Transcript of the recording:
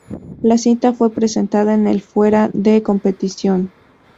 La cinta fue presentada en el fuera de competición.